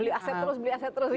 beli aset terus beli aset terus